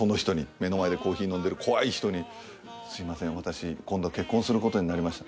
目の前でコーヒー飲んでる怖い人に「すみません私今度結婚することになりました」。